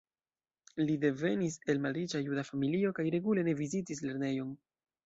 Li devenis el malriĉa juda familio kaj regule ne vizitis lernejon.